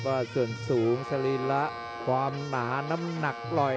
ว่าส่วนสูงสรีระความหนาน้ำหนักปล่อย